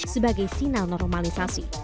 sebagai sinal normalisasi